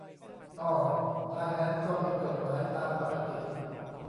อ้อ ถ้างั้นก็ผิดกฎหมายตามปกติ